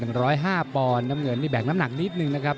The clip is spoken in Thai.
เพลงสีกรอนน้ำเงินนี่แบวกน้ำหนักนิดนึงนะครับ